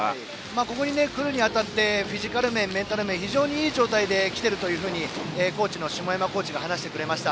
ここに来るに当たってフィジカル面、メンタル面非常にいい状態で来ていると下山コーチが話してくれました。